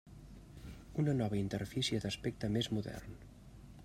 Una nova interfície d'aspecte més modern.